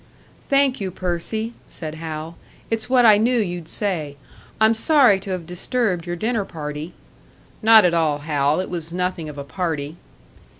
"Thank you, Percy," said Hal. "It's what I knew you'd say. I'm sorry to have disturbed your dinner party " "Not at all, Hal; it was nothing of a party."